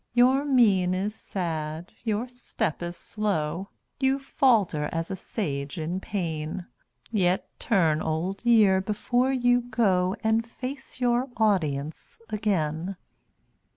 Your mien is sad, your step is slow; You falter as a Sage in pain; Yet turn, Old Year, before you go, And face your audience again.